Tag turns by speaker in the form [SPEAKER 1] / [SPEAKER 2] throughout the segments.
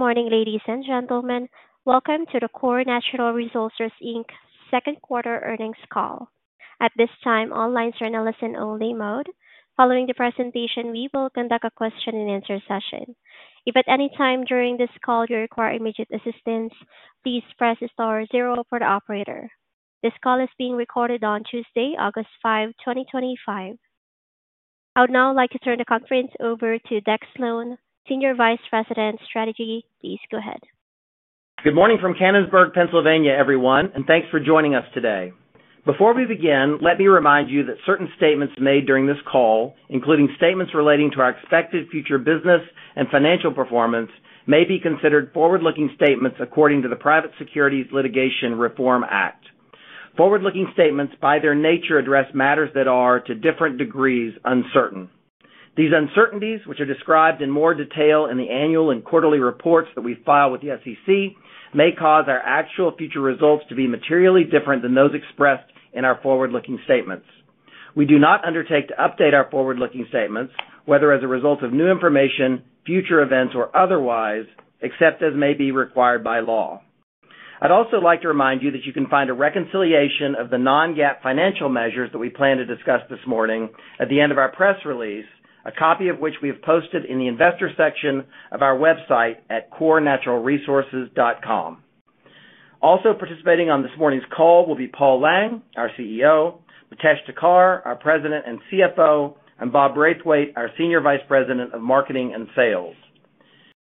[SPEAKER 1] Good morning, ladies and gentlemen. Welcome to the Core Natural Resources Inc's Second Quarter Earnings Call. At this time, online is in a listen-only mode. Following the presentation, we will conduct a question-and-answer session. If at any time during this call you require immediate assistance, please press the star zero for the operator. This call is being recorded on Tuesday, August 5, 2025. I would now like to turn the conference over to Deck Slone, Senior Vice President Strategy. Please go ahead.
[SPEAKER 2] Good morning from Canonsburg, Pennsylvania, everyone, and thanks for joining us today. Before we begin, let me remind you that certain statements made during this call, including statements relating to our expected future business and financial performance, may be considered forward-looking statements according to the Private Securities Litigation Reform Act. Forward-looking statements, by their nature, address matters that are, to different degrees, uncertain. These uncertainties, which are described in more detail in the annual and quarterly reports that we file with the SEC, may cause our actual future results to be materially different than those expressed in our forward-looking statements. We do not undertake to update our forward-looking statements, whether as a result of new information, future events, or otherwise, except as may be required by law. I'd also like to remind you that you can find a reconciliation of the non-GAAP financial measures that we plan to discuss this morning at the end of our press release, a copy of which we have posted in the investor section of our website at corenaturalresources.com. Also participating on this morning's call will be Paul Lang, our CEO, Mitesh Thakkar, our President and CFO, and Bob Braithwaite, our Senior Vice President of Marketing and Sales.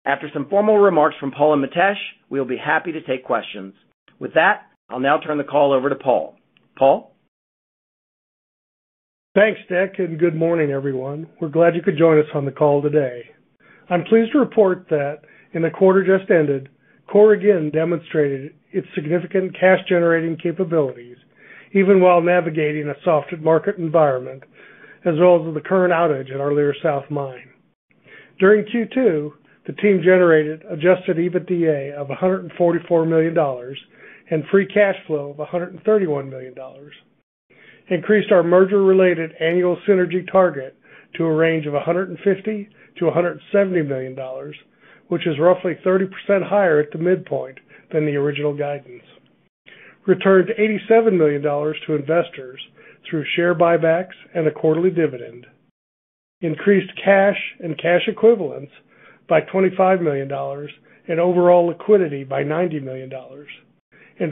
[SPEAKER 2] After some formal remarks from Paul and Mitesh, we will be happy to take questions. With that, I'll now turn the call over to Paul. Paul?
[SPEAKER 3] Thanks, Deck, and good morning, everyone. We're glad you could join us on the call today. I'm pleased to report that, in the quarter just ended, Core again demonstrated its significant cash-generating capabilities, even while navigating a softened market environment, as well as the current outage at our Lear South mine. During Q2, the team generated adjusted EBITDA of $144 million and free cash flow of $131 million. Increased our merger-related annual synergy target to a range of $150-$170 million, which is roughly 30% higher at the midpoint than the original guidance. Returned $87 million to investors through share buybacks and a quarterly dividend. Increased cash and cash equivalents by $25 million and overall liquidity by $90 million.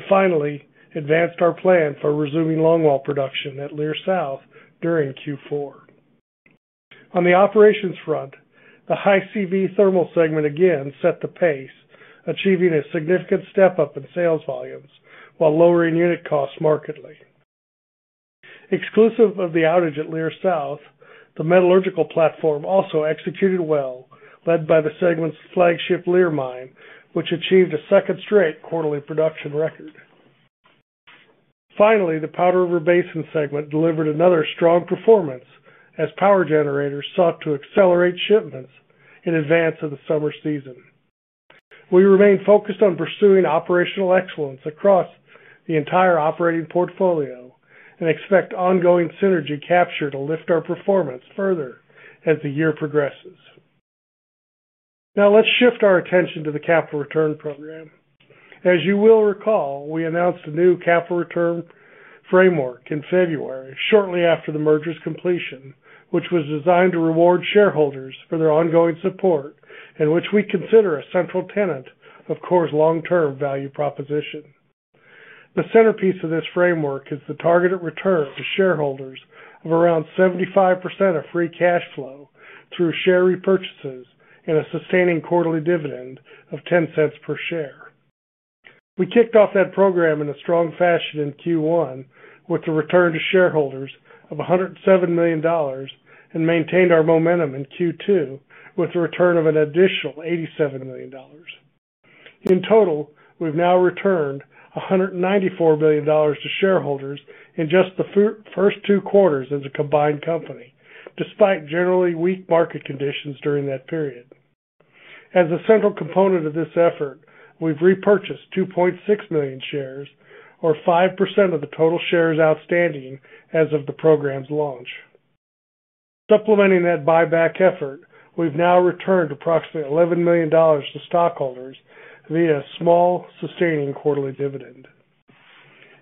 [SPEAKER 3] Finally, advanced our plan for resuming longwall production at Lear South during Q4. On the operations front, the high CV thermal segment again set the pace, achieving a significant step up in sales volumes while lowering unit costs markedly. Exclusive of the outage at Lear South, the metallurgical platform also executed well, led by the segment's flagship Lear mine, which achieved a second straight quarterly production record. The Powder River Basin segment delivered another strong performance as power generators sought to accelerate shipments in advance of the summer season. We remain focused on pursuing operational excellence across the entire operating portfolio and expect ongoing synergy capture to lift our performance further as the year progresses. Now, let's shift our attention to the Capital Return Program. As you will recall, we announced the new Capital Return Framework in February, shortly after the merger's completion, which was designed to reward shareholders for their ongoing support and which we consider a central tenet of Core's long-term value proposition. The centerpiece of this framework is the targeted return to shareholders of around 75% of free cash flow through share repurchases and a sustaining quarterly dividend of $0.10 per share. We kicked off that program in a strong fashion in Q1 with a return to shareholders of $107 million and maintained our momentum in Q2 with a return of an additional $87 million. In total, we've now returned $194 million to shareholders in just the first two quarters as a combined company, despite generally weak market conditions during that period. As a central component of this effort, we've repurchased 2.6 million shares, or 5% of the total shares outstanding as of the program's launch. Supplementing that buyback effort, we've now returned approximately $11 million to stockholders via a small sustaining quarterly dividend.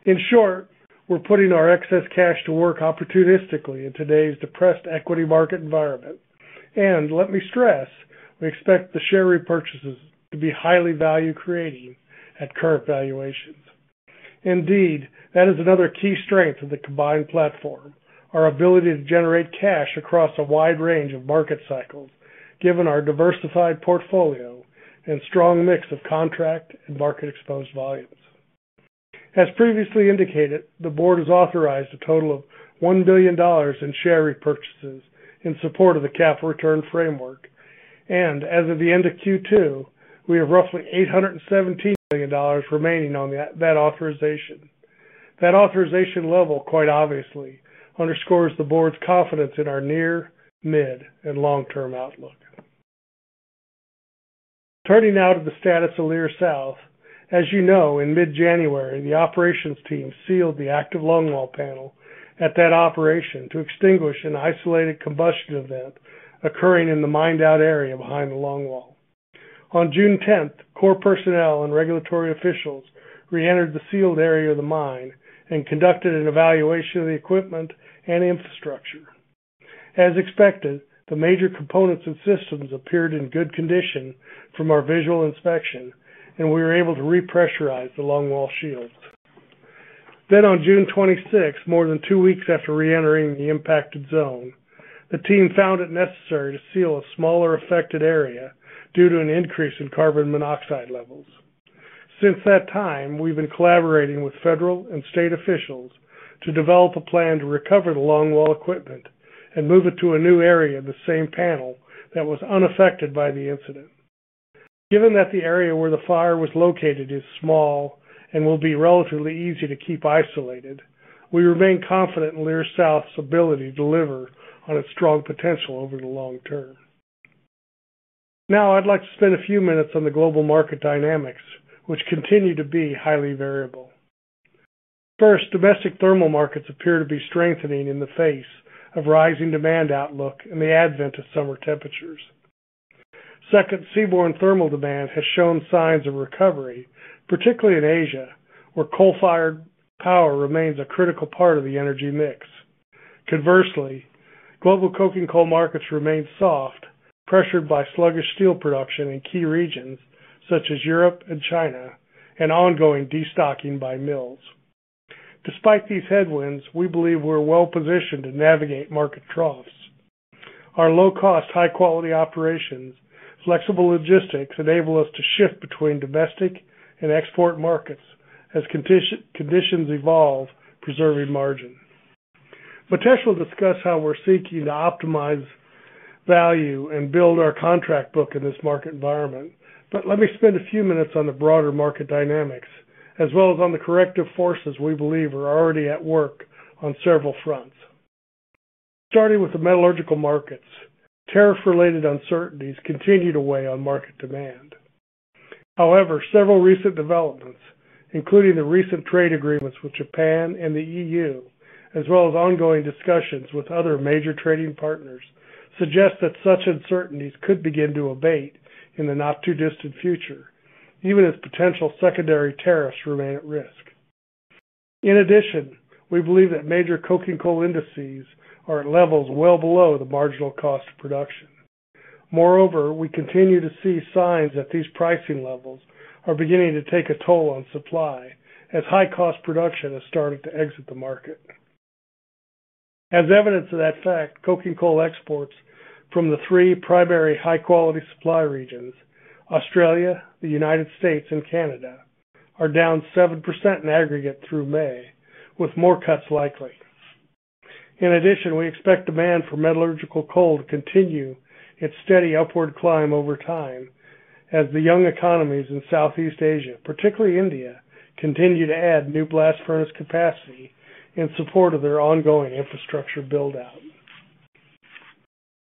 [SPEAKER 3] In short, we're putting our excess cash to work opportunistically in today's depressed equity market environment. Let me stress, we expect the share repurchases to be highly value-creating at current valuations. Indeed, that is another key strength of the combined platform, our ability to generate cash across a wide range of market cycles, given our diversified portfolio and strong mix of contract and market-exposed volumes. As previously indicated, the board has authorized a total of $1 billion in share repurchases in support of the Capital Return Framework. As of the end of Q2, we have roughly $817 million remaining on that authorization. That authorization level, quite obviously, underscores the board's confidence in our near, mid, and long-term outlook. Turning now to the status of Lear South, as you know, in mid-January, the operations team sealed the active longwall panel at that operation to extinguish an isolated combustion event occurring in the mined-out area behind the longwall. On June 10th, Core personnel and regulatory officials reentered the sealed area of the mine and conducted an evaluation of the equipment and infrastructure. As expected, the major components and systems appeared in good condition from our visual inspection, and we were able to repressurize the longwall shields. On June 26th, more than two weeks after reentering the impacted zone, the team found it necessary to seal a smaller affected area due to an increase in carbon monoxide levels. Since that time, we've been collaborating with federal and state officials to develop a plan to recover the longwall equipment and move it to a new area in the same panel that was unaffected by the incident. Given that the area where the fire was located is small and will be relatively easy to keep isolated, we remain confident in Lear South's ability to deliver on its strong potential over the long term. Now, I'd like to spend a few minutes on the global market dynamics, which continue to be highly variable. First, domestic thermal markets appear to be strengthening in the face of rising demand outlook and the advent of summer temperatures. Second, seaborne thermal demand has shown signs of recovery, particularly in Asia, where coal-fired power remains a critical part of the energy mix. Conversely, global coking coal markets remain soft, pressured by sluggish steel production in key regions such as Europe and China, and ongoing destocking by mills. Despite these headwinds, we believe we're well-positioned to navigate market troughs. Our low-cost, high-quality operations and flexible logistics enable us to shift between domestic and export markets as conditions evolve, preserving margins. Mitesh will discuss how we're seeking to optimize value and build our contract book in this market environment, but let me spend a few minutes on the broader market dynamics, as well as on the corrective forces we believe are already at work on several fronts. Starting with the metallurgical markets, tariff-related uncertainties continue to weigh on market demand. However, several recent developments, including the recent trade agreements with Japan and the EU, as well as ongoing discussions with other major trading partners, suggest that such uncertainties could begin to abate in the not-too-distant future, even as potential secondary tariffs remain at risk. In addition, we believe that major coking coal indices are at levels well below the marginal cost of production. Moreover, we continue to see signs that these pricing levels are beginning to take a toll on supply as high-cost production is starting to exit the market. As evidence of that fact, coking coal exports from the three primary high-quality supply regions, Australia, the United States, and Canada, are down 7% in aggregate through May, with more cuts likely. In addition, we expect demand for metallurgical coal to continue its steady upward climb over time as the young economies in Southeast Asia, particularly India, continue to add new blast furnace capacity in support of their ongoing infrastructure buildout.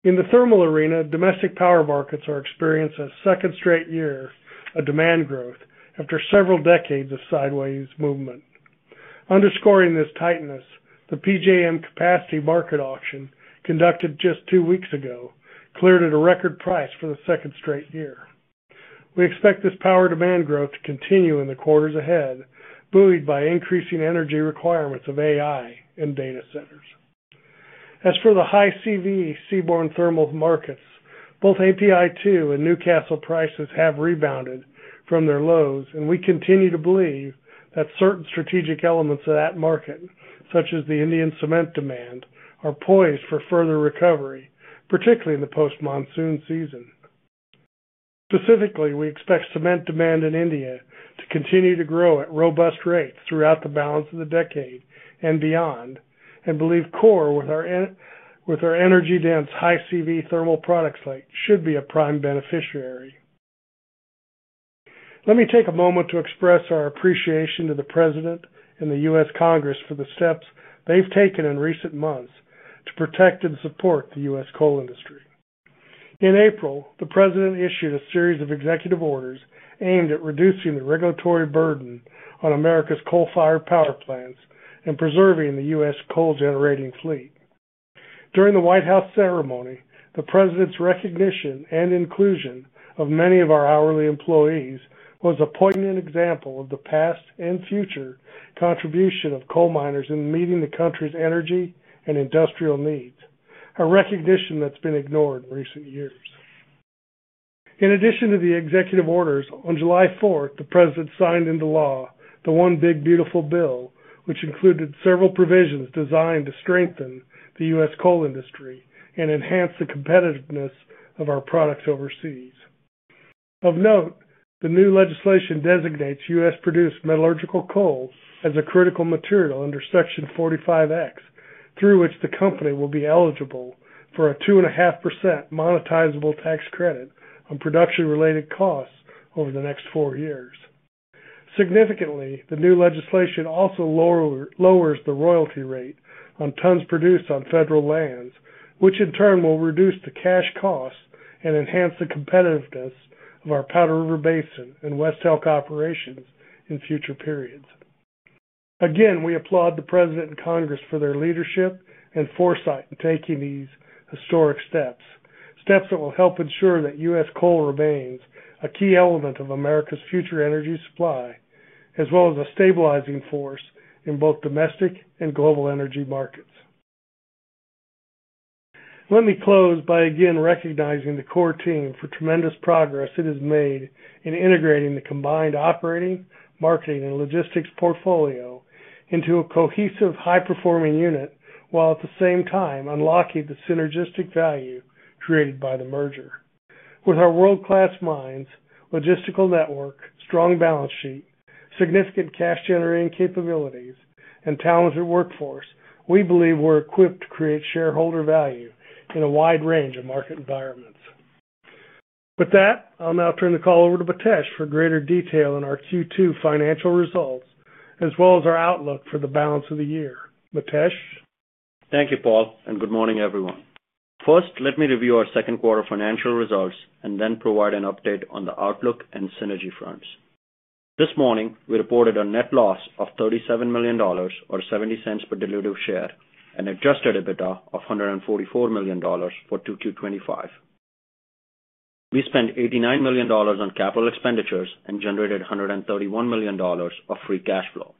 [SPEAKER 3] In the thermal arena, domestic power markets are experiencing a second straight year of demand growth after several decades of sideways movement. Underscoring this tightness, the PJM Capacity Market Auction conducted just two weeks ago cleared at a record price for the second straight year. We expect this power demand growth to continue in the quarters ahead, buoyed by increasing energy requirements of AI and data centers. As for the high CV seaborne thermal markets, both API2 and Newcastle prices have rebounded from their lows, and we continue to believe that certain strategic elements of that market, such as the Indian cement demand, are poised for further recovery, particularly in the post-monsoon season. Specifically, we expect cement demand in India to continue to grow at robust rates throughout the balance of the decade and beyond, and believe Core, with our energy-dense high CV thermal products, should be a prime beneficiary. Let me take a moment to express our appreciation to the President and the U.S. Congress for the steps they've taken in recent months to protect and support the U.S. coal industry. In April, the President issued a series of executive orders aimed at reducing the regulatory burden on America's coal-fired power plants and preserving the U.S. coal-generating fleet. During the White House ceremony, the President's recognition and inclusion of many of our hourly employees was a poignant example of the past and future contribution of coal miners in meeting the country's energy and industrial needs, a recognition that's been ignored in recent years. In addition to the executive orders, on July 4, the President signed into law the One Big Beautiful Bill, which included several provisions designed to strengthen the U.S. coal industry and enhance the competitiveness of our products overseas. Of note, the new legislation designates U.S.-produced metallurgical coal as a critical material under Section 45X, through which the company will be eligible for a 2.5% monetizable tax credit on production-related costs over the next four years. Significantly, the new legislation also lowers the royalty rate on tons produced on federal lands, which in turn will reduce the cash costs and enhance the competitiveness of our Powder River Basin and West Elk operations in future periods. Again, we applaud the President and Congress for their leadership and foresight in taking these historic steps, steps that will help ensure that U.S. coal remains a key element of America's future energy supply, as well as a stabilizing force in both domestic and global energy markets. Let me close by again recognizing the Core team for tremendous progress it has made in integrating the combined operating, marketing, and logistics portfolio into a cohesive, high-performing unit, while at the same time unlocking the synergistic value created by the merger. With our world-class mines, logistical network, strong balance sheet, significant cash-generating capabilities, and talented workforce, we believe we're equipped to create shareholder value in a wide range of market environments. With that, I'll now turn the call over to Mitesh for greater detail on our Q2 financial results, as well as our outlook for the balance of the year. Mitesh?
[SPEAKER 4] Thank you, Paul, and good morning, everyone. First, let me review our second quarter financial results and then provide an update on the outlook and synergy fronts. This morning, we reported a net loss of $37 million, or $0.70 per dilutive share, and adjusted EBITDA of $144 million for Q2 2025. We spent $89 million on capital expenditures and generated $131 million of free cash flow.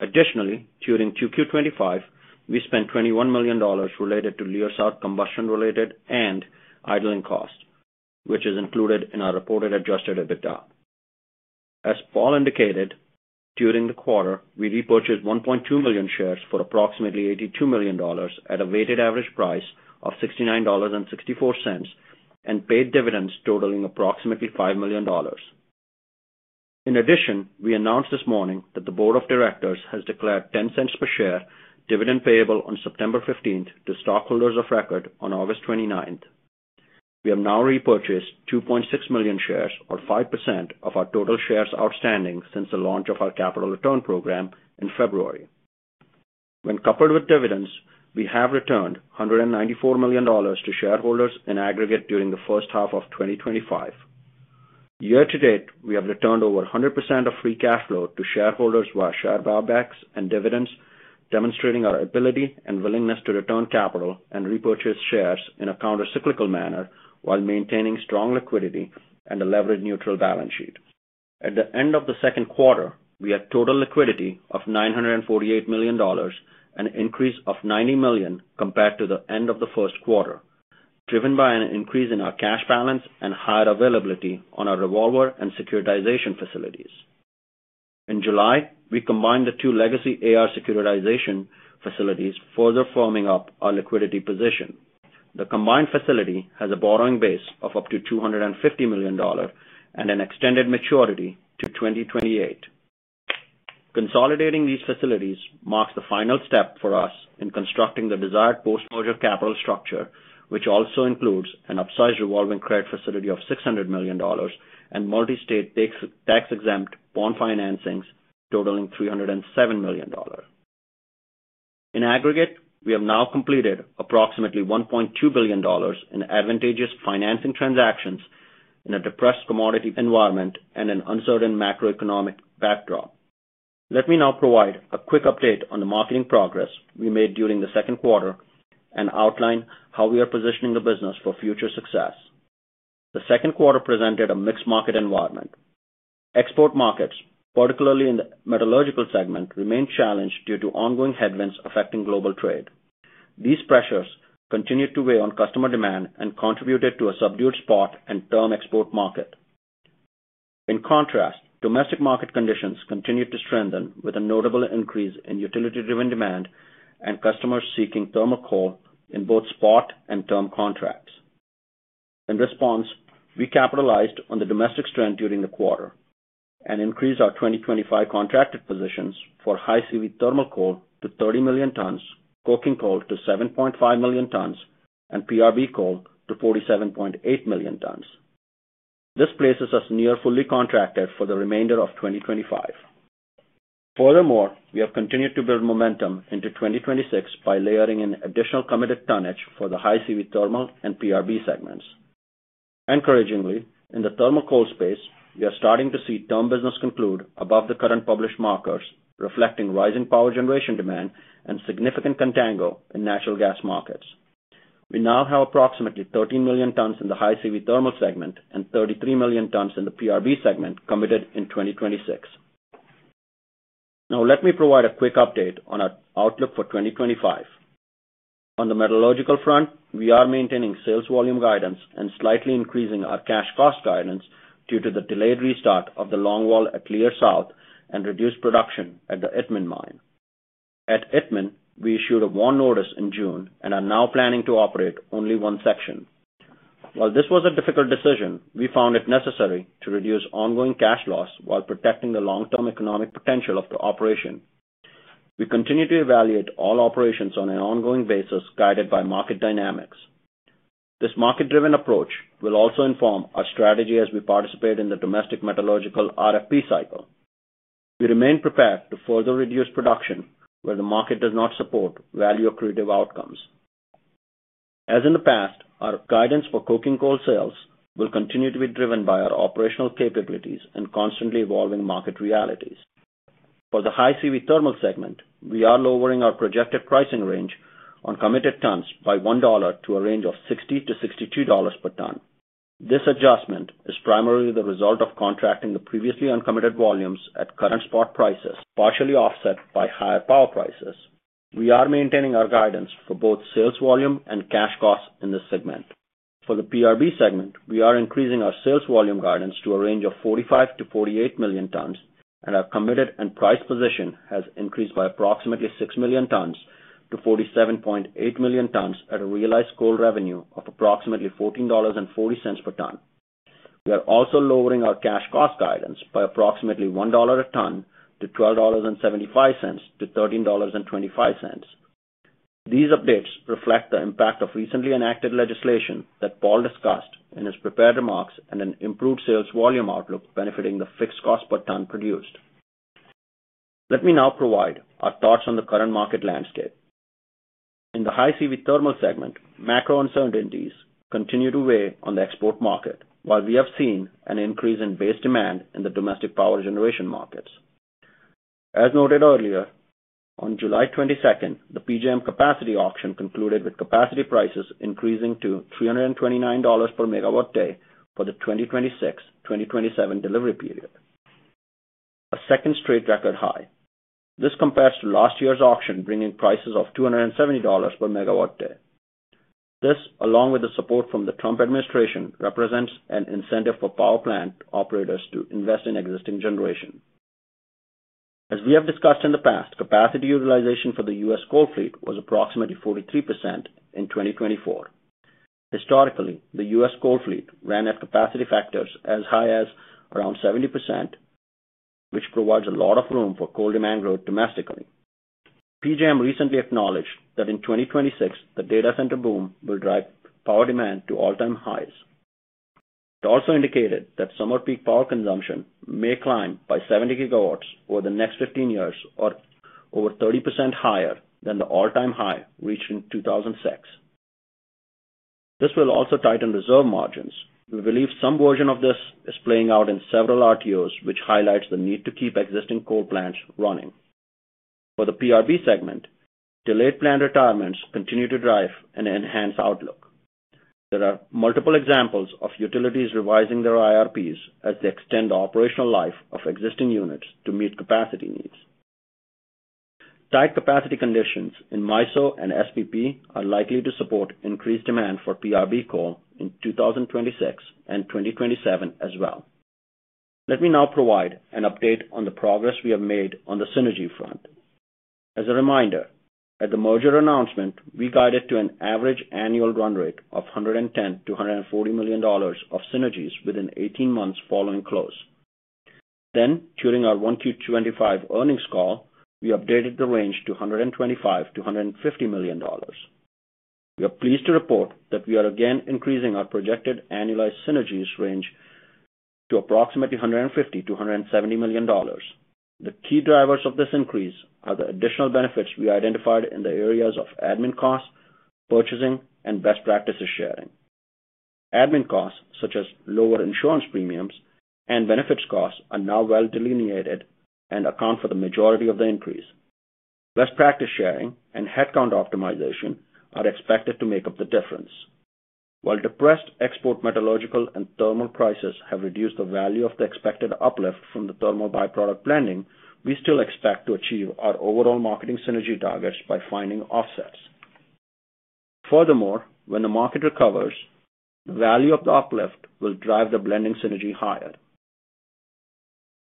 [SPEAKER 4] Additionally, during Q2 2025, we spent $21 million related to Lear South combustion-related and idling costs, which is included in our reported adjusted EBITDA. As Paul indicated, during the quarter, we repurchased 1.2 million shares for approximately $82 million at a weighted average price of $69.64 and paid dividends totaling approximately $5 million. In addition, we announced this morning that the Board of Directors has declared a $0.10 per share dividend payable on September 15 to stockholders of record on August 29. We have now repurchased 2.6 million shares, or 5% of our total shares outstanding since the launch of our Capital Return Program in February. When coupled with dividends, we have returned $194 million to shareholders in aggregate during the first half of 2025. Year to date, we have returned over 100% of free cash flow to shareholders via share buybacks and dividends, demonstrating our ability and willingness to return capital and repurchase shares in a countercyclical manner while maintaining strong liquidity and a leverage-neutral balance sheet. At the end of the second quarter, we had total liquidity of $948 million, an increase of $90 million compared to the end of the first quarter, driven by an increase in our cash balance and higher availability on our revolver and securitization facilities. In July, we combined the two legacy AR securitization facilities, further firming up our liquidity position. The combined facility has a borrowing base of up to $250 million and an extended maturity to 2028. Consolidating these facilities marks the final step for us in constructing the desired post-merger capital structure, which also includes an upsized revolving credit facility of $600 million and multi-state tax-exempt bond financings totaling $307 million. In aggregate, we have now completed approximately $1.2 billion in advantageous financing transactions in a depressed commodity environment and an uncertain macroeconomic backdrop. Let me now provide a quick update on the marketing progress we made during the second quarter and outline how we are positioning the business for future success. The second quarter presented a mixed market environment. Export markets, particularly in the metallurgical segment, remained challenged due to ongoing headwinds affecting global trade. These pressures continued to weigh on customer demand and contributed to a subdued spot and term export market. In contrast, domestic market conditions continued to strengthen with a notable increase in utility-driven demand and customers seeking thermal coal in both spot and term contracts. In response, we capitalized on the domestic strength during the quarter and increased our 2025 contracted positions for high CV thermal coal to 30 million tons, coking coal to 7.5 million tons, and PRB coal to 47.8 million tons. This places us near fully contracted for the remainder of 2025. Furthermore, we have continued to build momentum into 2026 by layering in additional committed tonnage for the high CV thermal and PRB segments. Encouragingly, in the thermal coal space, we are starting to see term business conclude above the current published markers, reflecting rising power generation demand and significant contango in natural gas markets. We now have approximately 13 million tons in the high CV thermal segment and 33 million tons in the PRB segment committed in 2026. Now, let me provide a quick update on our outlook for 2025. On the metallurgical front, we are maintaining sales volume guidance and slightly increasing our cash cost guidance due to the delayed restart of the longwall at Lear South and reduced production at the Ettman Mine. At Ettman, we issued a WARN notice in June and are now planning to operate only one section. While this was a difficult decision, we found it necessary to reduce ongoing cash loss while protecting the long-term economic potential of the operation. We continue to evaluate all operations on an ongoing basis guided by market dynamics. This market-driven approach will also inform our strategy as we participate in the domestic metallurgical RFP cycle. We remain prepared to further reduce production where the market does not support value accretive outcomes. As in the past, our guidance for coking coal sales will continue to be driven by our operational capabilities and constantly evolving market realities. For the high CV thermal segment, we are lowering our projected pricing range on committed tons by $1 to a range of $60-$62 per ton. This adjustment is primarily the result of contracting the previously uncommitted volumes at current spot prices, partially offset by higher power prices. We are maintaining our guidance for both sales volume and cash costs in this segment. For the PRB segment, we are increasing our sales volume guidance to a range of 45-48 million tons and our committed and priced position has increased by approximately 6 million tons to 47.8 million tons at a realized coal revenue of approximately $14.40 per ton. We are also lowering our cash cost guidance by approximately $1 a ton to $12.75-$13.25. These updates reflect the impact of recently enacted legislation that Paul discussed in his prepared remarks and an improved sales volume outlook benefiting the fixed cost per ton produced. Let me now provide our thoughts on the current market landscape. In the high CV thermal segment, macro uncertainties continue to weigh on the export market, while we have seen an increase in base demand in the domestic power generation markets. As noted earlier, on July 22, the PJM Capacity Auction concluded with capacity prices increasing to $329 per megawatt day for the 2026-2027 delivery period, a second straight record high. This compares to last year's auction, bringing prices of $270 per megawatt day. This, along with the support from the Trump administration, represents an incentive for power plant operators to invest in existing generation. As we have discussed in the past, capacity utilization for the U.S. coal fleet was approximately 43% in 2024. Historically, the U.S. coal fleet ran at capacity factors as high as around 70%, which provides a lot of room for coal demand growth domestically. PJM recently acknowledged that in 2026, the data center boom will drive power demand to all-time highs. It also indicated that summer peak power consumption may climb by 70 GW over the next 15 years, or over 30% higher than the all-time high reached in 2006. This will also tighten reserve margins. We believe some version of this is playing out in several RTOs, which highlights the need to keep existing coal plants running. For the PRB segment, delayed plant retirements continue to drive an enhanced outlook. There are multiple examples of utilities revising their IRPs as they extend the operational life of existing units to meet capacity needs. Tight capacity conditions in MISO and SPP are likely to support increased demand for PRB coal in 2026 and 2027 as well. Let me now provide an update on the progress we have made on the synergy front. As a reminder, at the merger announcement, we guided to an average annual run rate of $110 million-$140 million of synergies within 18 months following close. During our 1Q25 earnings call, we updated the range to $125 million-$150 million. We are pleased to report that we are again increasing our projected annualized synergies range to approximately $150 million-$170 million. The key drivers of this increase are the additional benefits we identified in the areas of admin costs, purchasing, and best practices sharing. Admin costs, such as lower insurance premiums and benefits costs, are now well delineated and account for the majority of the increase. Best practice sharing and headcount optimization are expected to make up the difference. While depressed export metallurgical and thermal prices have reduced the value of the expected uplift from the thermal byproduct blending, we still expect to achieve our overall marketing synergy targets by finding offsets. Furthermore, when the market recovers, the value of the uplift will drive the blending synergy higher.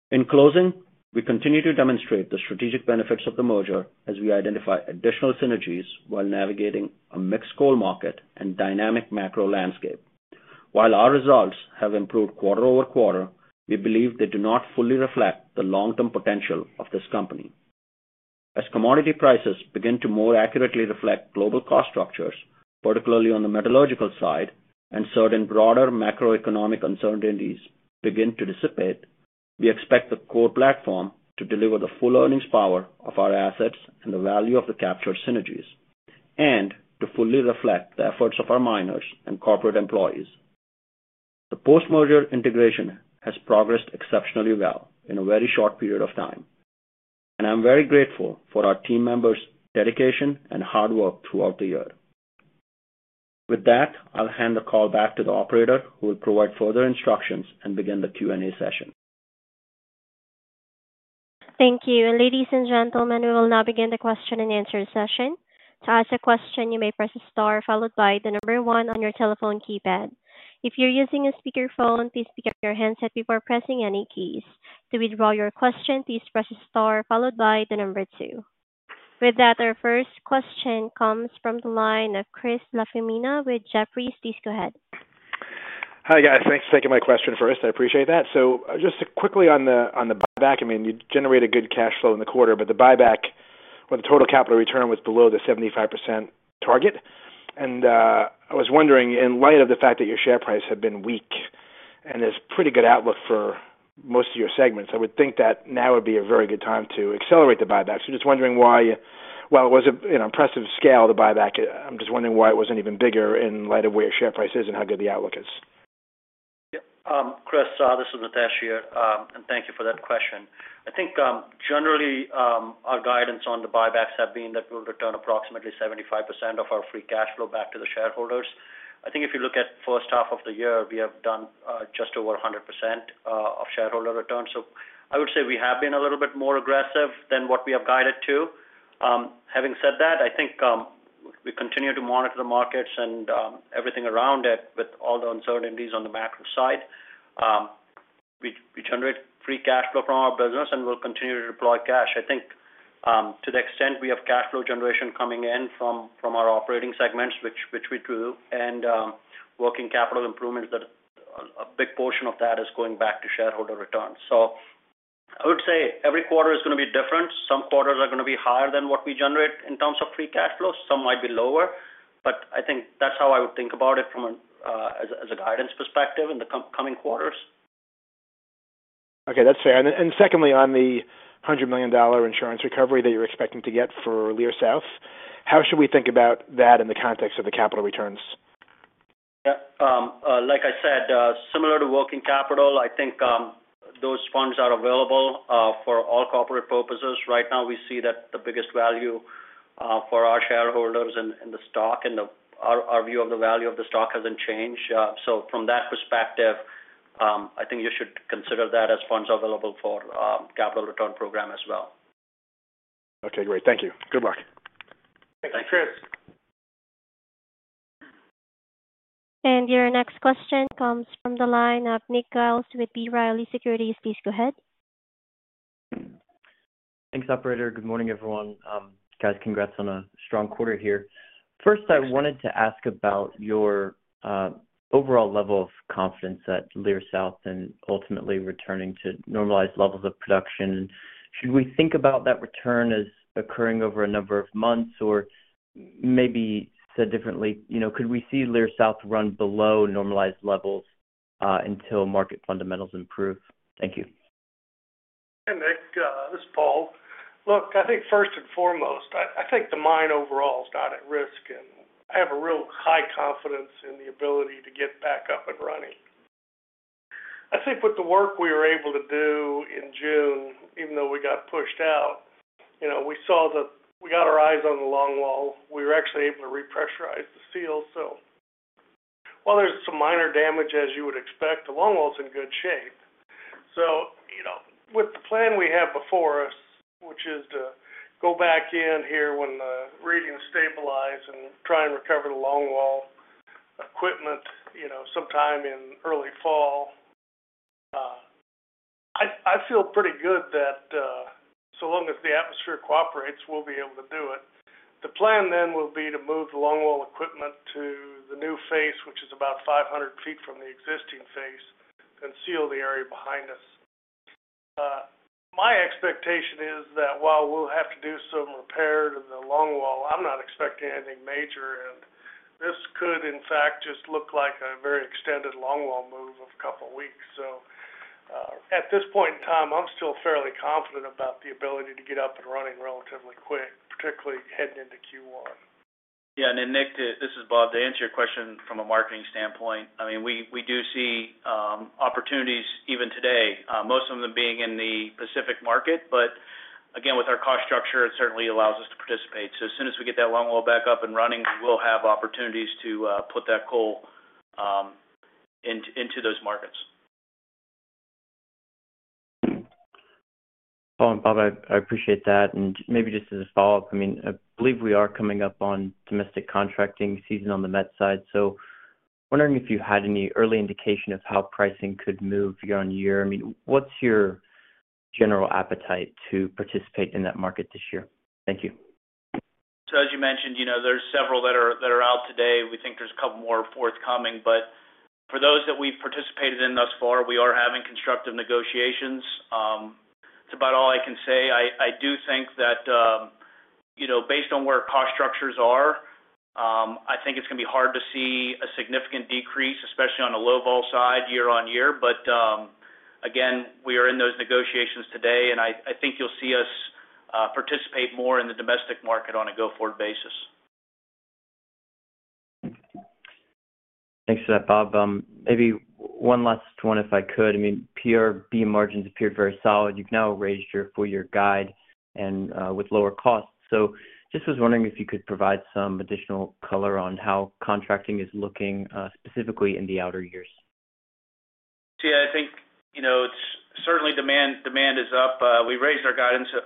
[SPEAKER 4] In closing, we continue to demonstrate the strategic benefits of the merger as we identify additional synergies while navigating a mixed coal market and dynamic macro landscape. While our results have improved quarter over quarter, we believe they do not fully reflect the long-term potential of this company. As commodity prices begin to more accurately reflect global cost structures, particularly on the metallurgical side, and certain broader macroeconomic uncertainties begin to dissipate, we expect the core platform to deliver the full earnings power of our assets and the value of the captured synergies, and to fully reflect the efforts of our miners and corporate employees. The post-merger integration has progressed exceptionally well in a very short period of time, and I'm very grateful for our team members' dedication and hard work throughout the year. With that, I'll hand the call back to the operator, who will provide further instructions and begin the Q&A session.
[SPEAKER 1] Thank you. Ladies and gentlemen, we will now begin the question and answer session. To ask a question, you may press the star followed by the number one on your telephone keypad. If you're using a speakerphone, please pick up your headset before pressing any keys. To withdraw your question, please press the star followed by the number two. With that, our first question comes from the line of Chris LaFemina with Jefferies. Please go ahead.
[SPEAKER 5] Hi guys, thanks for taking my question first. I appreciate that. Just quickly on the back, you generated good cash flow in the quarter, but the buyback with the total capital return was below the 75% target. I was wondering, in light of the fact that your share price had been weak and there's a pretty good outlook for most of your segments, I would think that now would be a very good time to accelerate the buybacks. I'm just wondering why, while it was an impressive scale, the buyback, I'm just wondering why it wasn't even bigger in light of where your share price is and how good the outlook is.
[SPEAKER 4] Yep, Chris, this is Mitesh here, and thank you for that question. I think generally our guidance on the buybacks has been that we'll return approximately 75% of our free cash flow back to the shareholders. I think if you look at the first half of the year, we have done just over 100% of shareholder returns. I would say we have been a little bit more aggressive than what we have guided to. Having said that, I think we continue to monitor the markets and everything around it with all the uncertainties on the macro side. We generate free cash flow from our business and we'll continue to deploy cash. I think to the extent we have cash flow generation coming in from our operating segments, which we do, and working capital improvements, a big portion of that is going back to shareholder returns. I would say every quarter is going to be different. Some quarters are going to be higher than what we generate in terms of free cash flow. Some might be lower, but I think that's how I would think about it from a guidance perspective in the coming quarters.
[SPEAKER 5] Okay, that's fair. Secondly, on the $100 million insurance recovery that you're expecting to get for Lear South, how should we think about that in the context of the capital returns?
[SPEAKER 4] Like I said, similar to working capital, I think those funds are available for all corporate purposes. Right now, we see that the biggest value for our shareholders is in the stock, and our view of the value of the stock hasn't changed. From that perspective, I think you should consider that as funds available for the capital return program as well.
[SPEAKER 5] Okay, great. Thank you. Good luck.
[SPEAKER 4] Thanks, Chris.
[SPEAKER 1] Your next question comes from the line of Nick Giles with B. Riley Securities. Please go ahead.
[SPEAKER 6] Thanks, operator. Good morning, everyone. Guys, congrats on a strong quarter here. First, I wanted to ask about your overall level of confidence at Lear South and ultimately returning to normalized levels of production. Should we think about that return as occurring over a number of months or, maybe said differently, could we see Lear South run below normalized levels until market fundamentals improve? Thank you.
[SPEAKER 3] Hey, Nick, this is Paul. I think first and foremost, I think the mine overall is not at risk, and I have a real high confidence in the ability to get back up and running. I think with the work we were able to do in June, even though we got pushed out, we saw that we got our eyes on the longwall. We were actually able to repressurize the seal. While there's some minor damage, as you would expect, the longwall's in good shape. With the plan we have before us, which is to go back in here when the readings stabilize and try and recover the longwall equipment, sometime in early fall, I feel pretty good that so long as the atmosphere cooperates, we'll be able to do it. The plan then will be to move the longwall equipment to the new face, which is about 500 feet from the existing face, and seal the area behind us. My expectation is that while we'll have to do some repair to the longwall, I'm not expecting anything major, and this could, in fact, just look like a very extended longwall move of a couple weeks. At this point in time, I'm still fairly confident about the ability to get up and running relatively quick, particularly heading into Q1.
[SPEAKER 7] Yeah, and Nick, this is Bob. To answer your question from a marketing standpoint, we do see opportunities even today, most of them being in the Pacific market. Again, with our cost structure, it certainly allows us to participate. As soon as we get that longwall back up and running, we'll have opportunities to put that coal into those markets.
[SPEAKER 6] Oh, Bob, I appreciate that. Maybe just as a follow-up, I believe we are coming up on domestic contracting season on the met side. I'm wondering if you had any early indication of how pricing could move year on year. What's your general appetite to participate in that market this year? Thank you.
[SPEAKER 7] As you mentioned, you know, there's several that are out today. We think there's a couple more forthcoming. For those that we've participated in thus far, we are having constructive negotiations. It's about all I can say. I do think that, you know, based on where cost structures are, I think it's going to be hard to see a significant decrease, especially on the low vol side year on year. Again, we are in those negotiations today, and I think you'll see us participate more in the domestic market on a go-forward basis.
[SPEAKER 6] Thanks for that, Bob. Maybe one last one, if I could. I mean, PRB margins appeared very solid. You've now raised your full-year guide and with lower costs. I was wondering if you could provide some additional color on how contracting is looking specifically in the outer years.
[SPEAKER 7] Yeah, I think it's certainly demand. Demand is up. We raised our guidance at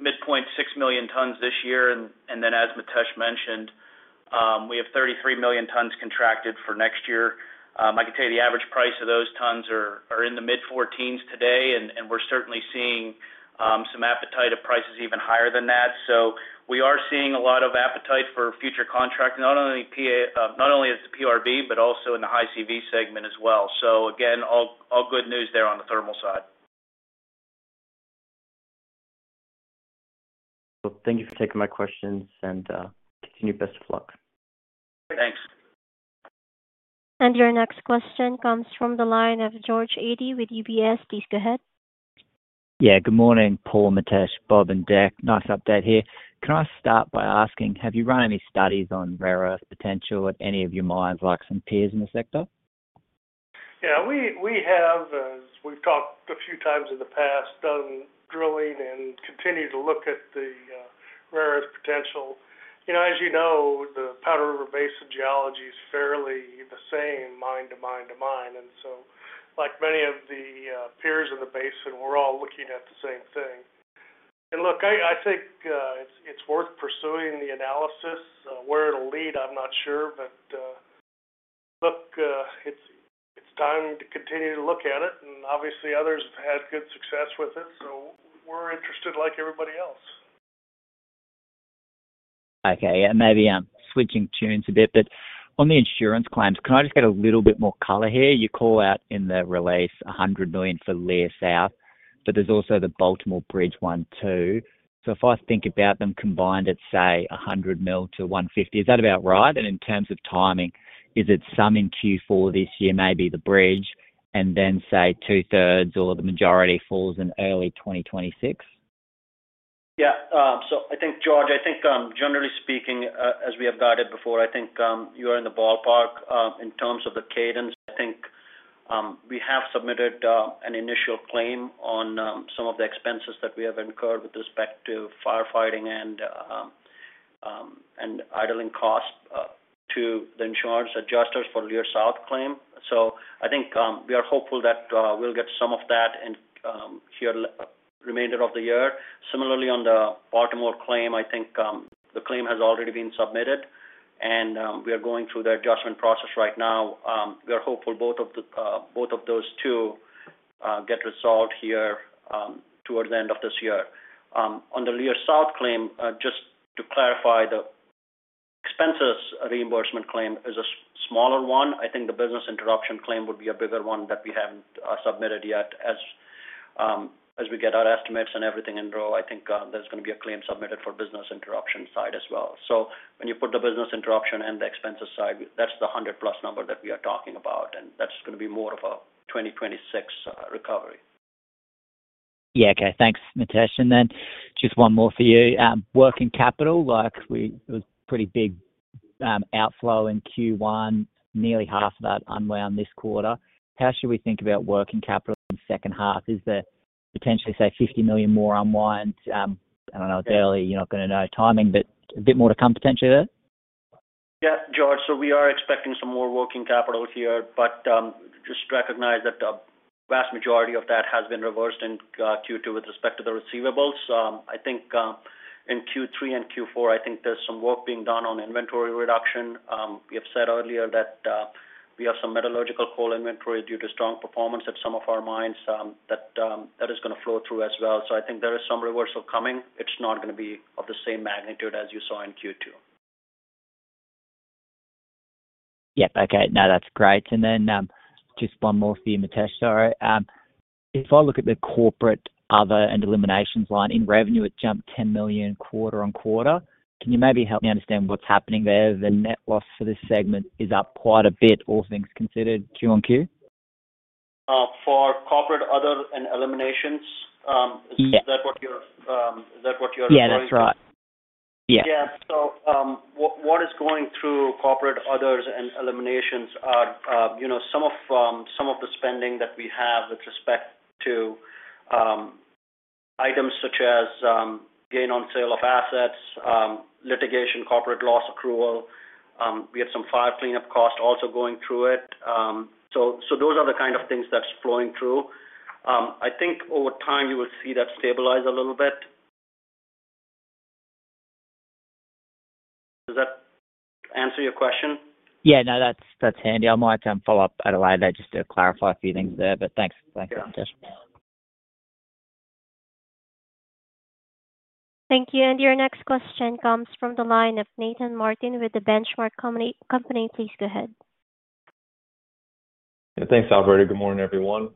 [SPEAKER 7] midpoint to 6 million tons this year, and then, as Mitesh mentioned, we have 33 million tons contracted for next year. I can tell you the average price of those tons is in the mid-14s today, and we're certainly seeing some appetite for prices even higher than that. We are seeing a lot of appetite for future contracting, not only as the PRB, but also in the high CV segment as well. All good news there on the thermal side.
[SPEAKER 6] Thank you for taking my questions and continue best of luck.
[SPEAKER 7] Thanks.
[SPEAKER 1] Your next question comes from the line of George Schuller with UBS. Please go ahead.
[SPEAKER 8] Yeah, good morning, Paul, Mitesh, Bob, and Deck. Nice update here. Can I start by asking, have you run any studies on rare earth potential at any of your mines, like some peers in the sector?
[SPEAKER 3] Yeah, we have, as we've talked a few times in the past, done drilling and continue to look at the rare earth potential. As you know, the Powder River Basin geology is fairly the same, mine to mine to mine. Like many of the peers in the basin, we're all looking at the same thing. I think it's worth pursuing the analysis. Where it'll lead, I'm not sure, but it's time to continue to look at it. Obviously, others have had good success with it. We're interested like everybody else.
[SPEAKER 8] Okay, maybe I'm switching tunes a bit, but on the insurance claims, can I just get a little bit more color here? You call out in the release $100 million for Lear South, but there's also the Baltimore Bridge one too. If I think about them combined at, say, $100 million-$150 million, is that about right? In terms of timing, is it some in Q4 this year, maybe the bridge, and then, say, two-thirds or the majority falls in early 2026?
[SPEAKER 4] Yeah, I think, George, generally speaking, as we have guided before, you are in the ballpark in terms of the cadence. We have submitted an initial claim on some of the expenses that we have incurred with respect to firefighting and idling costs to the insurance adjusters for the Lear South claim. We are hopeful that we'll get some of that in here the remainder of the year. Similarly, on the Baltimore claim, the claim has already been submitted, and we are going through the adjustment process right now. We are hopeful both of those two get resolved here towards the end of this year. On the Lear South claim, just to clarify, the expenses reimbursement claim is a smaller one. The business interruption claim would be a bigger one that we haven't submitted yet. As we get our estimates and everything in row, there's going to be a claim submitted for the business interruption side as well. When you put the business interruption and the expenses side, that's the $100 million plus number that we are talking about, and that's going to be more of a 2026 recovery.
[SPEAKER 8] Yeah, okay, thanks, Mitesh. Just one more for you. Working capital, like it was a pretty big outflow in Q1, nearly half of that unwound this quarter. How should we think about working capital in the second half? Is there potentially, say, $50 million more unwound? I don't know, you're not going to know timing, but a bit more to come potentially there?
[SPEAKER 4] Yeah, George, we are expecting some more working capital here, but just recognize that the vast majority of that has been reversed in Q2 with respect to the receivables. I think in Q3 and Q4, there's some work being done on inventory reduction. We have said earlier that we have some metallurgical coal inventory due to strong performance at some of our mines that is going to flow through as well. I think there is some reversal coming. It's not going to be of the same magnitude as you saw in Q2.
[SPEAKER 8] Okay, no, that's great. Just one more for you, Mitesh. Sorry. If I look at the corporate other and eliminations line in revenue, it's jumped $10 million quarter on quarter. Can you maybe help me understand what's happening there? The net loss for this segment is up quite a bit, all things considered, Q on Q.
[SPEAKER 4] For corporate other and eliminations, is that what you're referring to?
[SPEAKER 8] Yeah, that's right.
[SPEAKER 4] Yeah, what is going through corporate, others, and eliminations are some of the spending that we have with respect to items such as gain on sale of assets, litigation, corporate loss accrual. We had some fire cleanup costs also going through it. Those are the kind of things that's flowing through. I think over time you will see that stabilize a little bit. Does that answer your question?
[SPEAKER 8] Yeah, no, that's handy. I might follow up at a later date just to clarify a few things there, but thanks, Mitesh.
[SPEAKER 1] Thank you. Your next question comes from the line of Nathan Martin with The Benchmark Company. Please go ahead.
[SPEAKER 9] Yeah, thanks, Alberti. Good morning, everyone.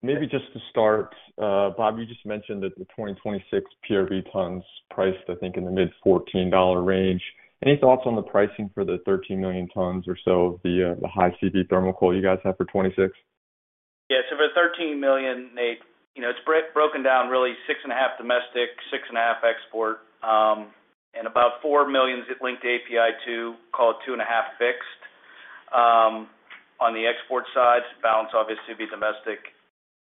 [SPEAKER 9] Maybe just to start, Bob, you just mentioned that the 2026 PRB tons priced, I think, in the mid $14 range. Any thoughts on the pricing for the 13 million tons or so of the high CV thermal coal you guys have for 2026?
[SPEAKER 7] Yeah, so for $13 million, you know, it's broken down really $6.5 million domestic, $6.5 million export, and about $4 million is linked to API2, called $2.5 million fixed. On the export side, balance obviously would be domestic.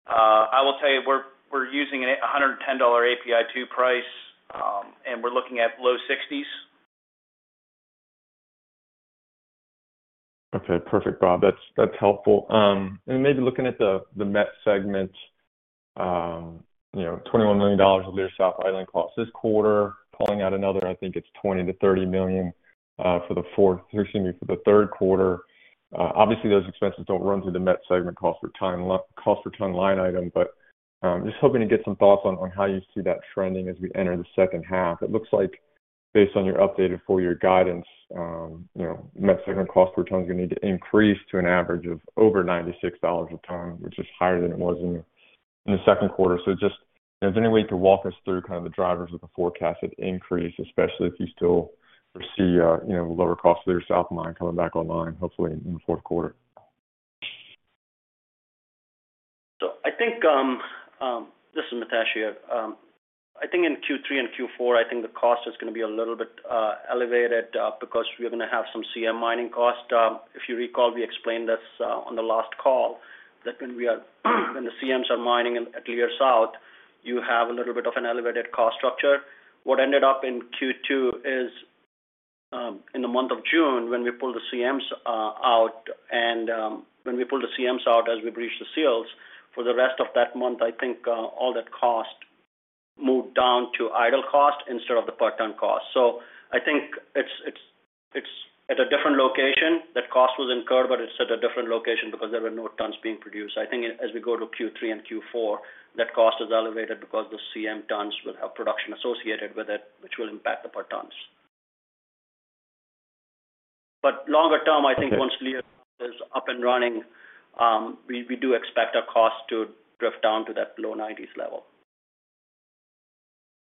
[SPEAKER 7] I will tell you we're using a $110 API2 price, and we're looking at low 60s.
[SPEAKER 9] Okay, perfect, Bob. That's helpful. Maybe looking at the Met segment, you know, $21 million of Lear South island costs this quarter, calling out another, I think it's $20-$30 million for the third quarter. Obviously, those expenses don't run through the Met segment cost per ton line item, but just hoping to get some thoughts on how you see that trending as we enter the second half. It looks like, based on your updated full-year guidance, you know, Met segment cost per ton is going to need to increase to an average of over $96 a ton, which is higher than it was in the second quarter. Just, you know, is there any way you could walk us through kind of the drivers of the forecasted increase, especially if you still foresee, you know, lower costs for your South mine coming back online, hopefully in the fourth quarter?
[SPEAKER 4] I think, this is Mitesh here. I think in Q3 and Q4, the cost is going to be a little bit elevated because we are going to have some CM mining cost. If you recall, we explained this on the last call, that when the CMs are mining at Lear South, you have a little bit of an elevated cost structure. What ended up in Q2 is, in the month of June, when we pulled the CMs out, and when we pulled the CMs out as we breached the seals, for the rest of that month, all that cost moved down to idle cost instead of the per ton cost. I think it's at a different location. That cost was incurred, but it's at a different location because there were no tons being produced. As we go to Q3 and Q4, that cost is elevated because the CM tons will have production associated with it, which will impact the per tons. Longer term, I think once Lear is up and running, we do expect our cost to drift down to that low $90s level.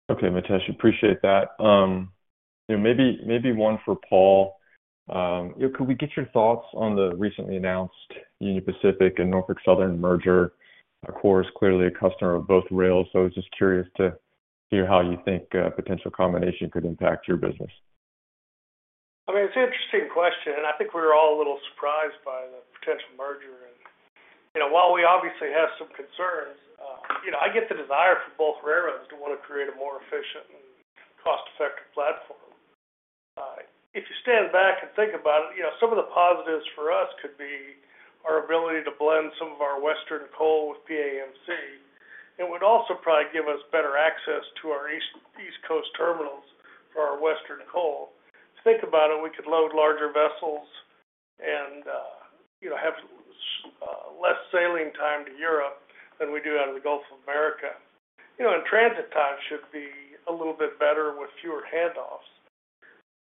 [SPEAKER 9] Okay, Mitesh, appreciate that. Maybe one for Paul. Could we get your thoughts on the recently announced Union Pacific and Norfolk Southern merger? Of course, clearly a customer of both rails, so I was just curious to hear how you think a potential combination could impact your business.
[SPEAKER 3] I mean, it's an interesting question, and I think we were all a little surprised by the potential merger. While we obviously have some concerns, I get the desire from both railroads to want to create a more efficient and cost-effective platform. If you stand back and think about it, some of the positives for us could be our ability to blend some of our western coal with PAMC. It would also probably give us better access to our East Coast terminals for our western coal. If you think about it, we could load larger vessels and have less sailing time to Europe than we do out of the Gulf of America. Transit times should be a little bit better with fewer handoffs.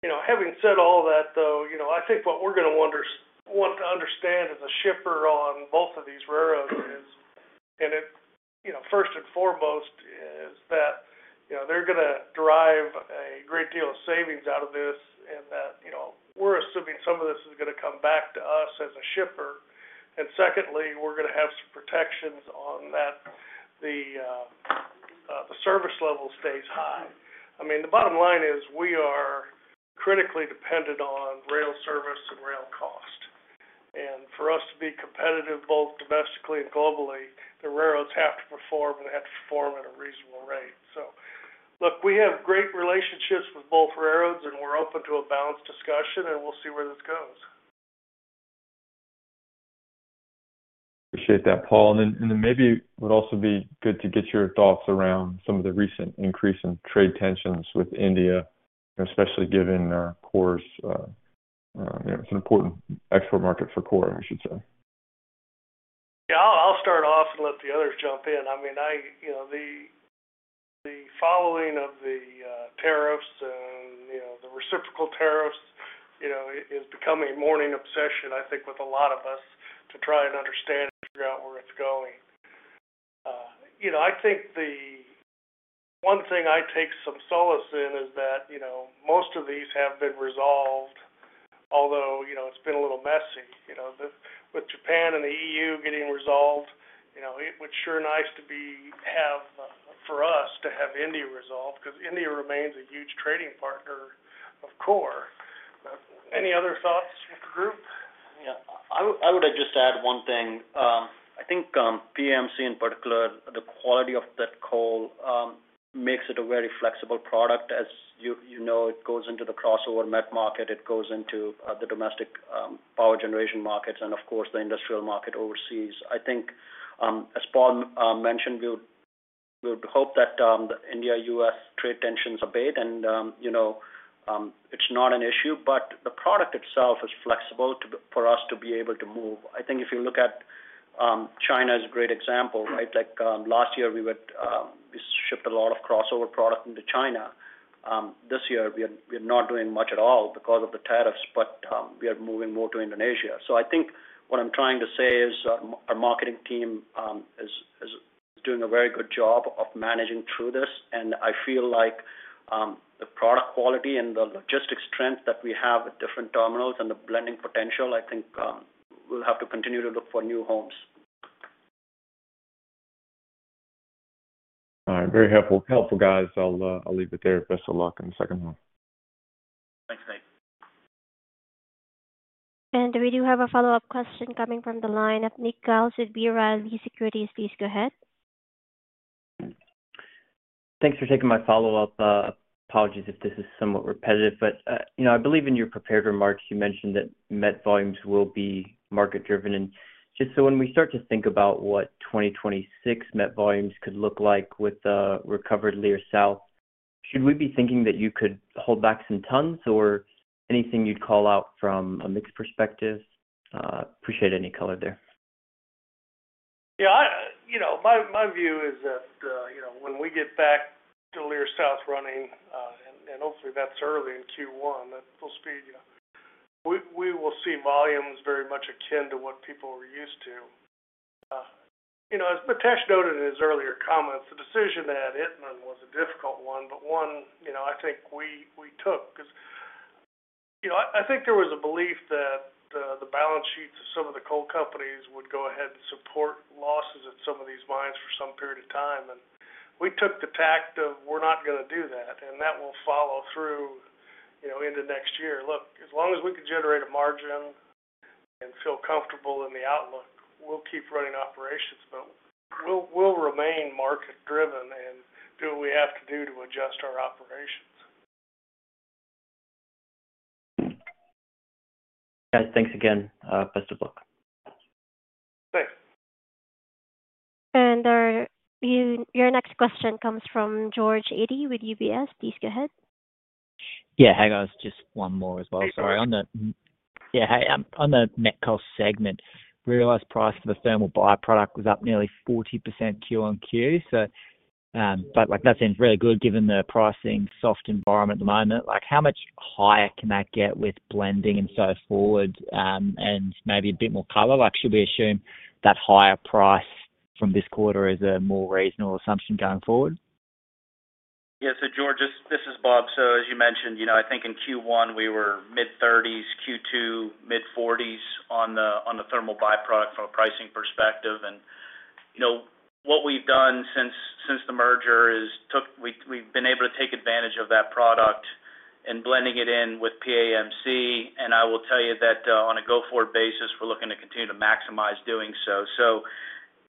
[SPEAKER 3] Having said all that, I think what we're going to want to understand as a shipper on both of these railroads is, first and foremost, that they're going to derive a great deal of savings out of this and that we're assuming some of this is going to come back to us as a shipper. Secondly, we're going to have some protections on that the service level stays high. The bottom line is we are critically dependent on rail service and rail cost. For us to be competitive both domestically and globally, the railroads have to perform and have to perform at a reasonable rate. We have great relationships with both railroads and we're open to a balanced discussion and we'll see where this goes.
[SPEAKER 9] Appreciate that, Paul. Maybe it would also be good to get your thoughts around some of the recent increase in trade tensions with India, especially given Core's, you know, it's an important export market for Core, I should say.
[SPEAKER 3] Yeah, I'll start off and let the others jump in. The following of the tariffs and the reciprocal tariffs is becoming a morning obsession, I think, with a lot of us to try and understand and figure out where it's going. I think the one thing I take some solace in is that most of these have been resolved, although it's been a little messy. With Japan and the EU getting resolved, it was sure nice for us to have India resolved because India remains a huge trading partner of Core. Any other thoughts, Mr. Group?
[SPEAKER 4] Yeah, I would just add one thing. I think PAMC in particular, the quality of that coal makes it a very flexible product. As you know, it goes into the crossover Met market, it goes into the domestic power generation markets, and, of course, the industrial market overseas. I think, as Paul mentioned, we would hope that the India-U.S. trade tensions abate and, you know, it's not an issue, but the product itself is flexible for us to be able to move. I think if you look at China as a great example, right, like last year we would ship a lot of crossover product into China. This year, we are not doing much at all because of the tariffs, but we are moving more to Indonesia. I think what I'm trying to say is our marketing team is doing a very good job of managing through this. I feel like the product quality and the logistics strength that we have with different terminals and the blending potential, I think we'll have to continue to look for new homes.
[SPEAKER 9] All right, very helpful. Helpful, guys. I'll leave it there. Best of luck in the second half.
[SPEAKER 7] Thanks, guys.
[SPEAKER 1] We do have a follow-up question coming from the line of Nick Giles with B. Riley Securities. Please go ahead.
[SPEAKER 6] Thanks for taking my follow-up. Apologies if this is somewhat repetitive, but I believe in your prepared remarks, you mentioned that Met volumes will be market-driven. Just so when we start to think about what 2026 Met volumes could look like with the recovered Lear South, should we be thinking that you could hold back some tons or anything you'd call out from a mixed perspective? Appreciate any color there.
[SPEAKER 3] Yeah, my view is that when we get back to Lear South running, and hopefully that's early in Q1, that will speed, we will see volumes very much akin to what people were used to. As Mitesh noted in his earlier comments, the decision at Ettman was a difficult one, but one I think we took because I think there was a belief that the balance sheets of some of the coal companies would go ahead and support losses at some of these mines for some period of time. We took the tact of we're not going to do that, and that will follow through into next year. Look, as long as we can generate a margin and feel comfortable in the outlook, we'll keep running operations, but we'll remain market-driven and do what we have to do to adjust our operations.
[SPEAKER 6] Yeah, thanks again. Best of luck.
[SPEAKER 3] Thanks.
[SPEAKER 1] Your next question comes from George Eadie with UBS. Please go ahead.
[SPEAKER 8] Yeah, hi, guys. Just one more as well. Sorry. On the, yeah, on the Metco segment, realized price for the thermal byproduct was up nearly 40% Q1Q. That sounds really good given the pricing soft environment at the moment. How much higher can that get with blending and so forth, and maybe a bit more cover? Should we assume that higher price from this quarter is a more reasonable assumption going forward?
[SPEAKER 7] Yeah, so George, this is Bob. As you mentioned, I think in Q1 we were mid-30s, Q2 mid-40s on the thermal byproduct from a pricing perspective. What we've done since the merger is we've been able to take advantage of that product and blending it in with PAMC. I will tell you that on a go-forward basis, we're looking to continue to maximize doing so.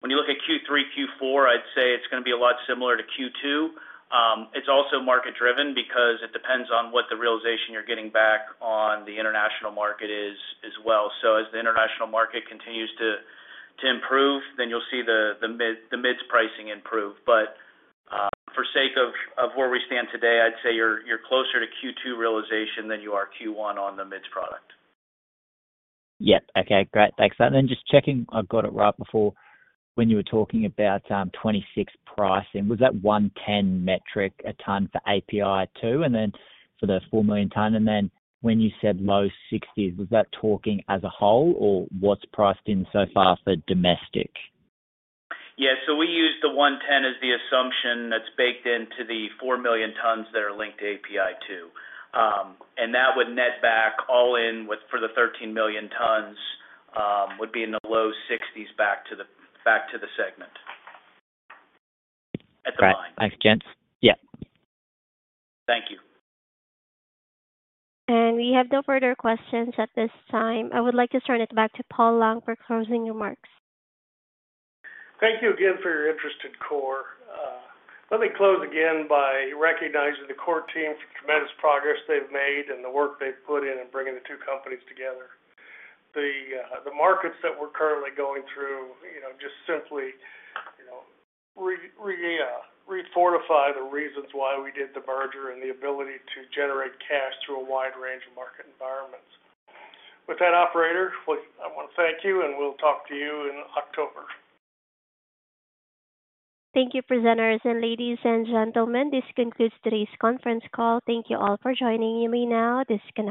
[SPEAKER 7] When you look at Q3, Q4, I'd say it's going to be a lot similar to Q2. It's also market-driven because it depends on what the realization you're getting back on the international market is as well. As the international market continues to improve, you'll see the mids pricing improve. For sake of where we stand today, I'd say you're closer to Q2 realization than you are Q1 on the mids product.
[SPEAKER 8] Okay, great. Thanks. Just checking, I got it right before, when you were talking about 2026 pricing, was that $110 per metric ton for API2 and then for the 4 million tons? When you said low 60s, was that talking as a whole or what's priced in so far for domestic?
[SPEAKER 7] Yeah, we use the $110 as the assumption that's baked into the 4 million tons that are linked to API2. That would net back all in for the 13 million tons, would be in the low $60s back to the segment at the mine.
[SPEAKER 8] Yeah, I understand. Yeah.
[SPEAKER 7] Thank you.
[SPEAKER 1] We have no further questions at this time. I would like to turn it back to Paul Lang for closing remarks.
[SPEAKER 3] Thank you again for your interest in Core. Let me close again by recognizing the Core team for the tremendous progress they've made and the work they've put in bringing the two companies together. The markets that we're currently going through just simply refortify the reasons why we did the merger and the ability to generate cash through a wide range of market environments. With that, operator, I want to thank you and we'll talk to you in October.
[SPEAKER 1] Thank you, presenters and ladies and gentlemen. This concludes today's conference call. Thank you all for joining. You may now disconnect.